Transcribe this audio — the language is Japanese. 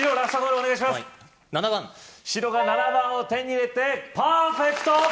はい７番白が７番を手に入れてパーフェクト！